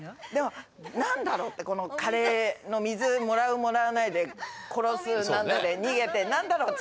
何だろう？ってカレーの水もらうもらわないで殺す何だで逃げて何だろう？